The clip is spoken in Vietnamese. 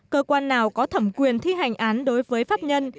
cơ quan nào có thẩm quyền thi hành án đối với pháp nhân